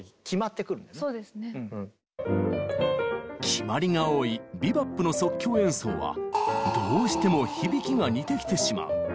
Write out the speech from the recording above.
決まりが多い「ビバップ」の即興演奏はどうしても響きが似てきてしまう。